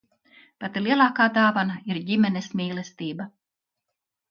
Pati lielākā dāvana ir ģimenes mīlestība.